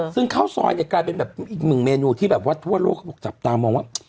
ซึ่งข้าวซอยกลายเป็นอีก๑เมนูที่ทั่วโลกพวกเราจับตามว่า